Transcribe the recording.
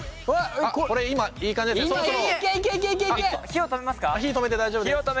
火止めて大丈夫です。